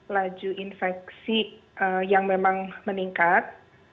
laju infeksi yang memang meningkat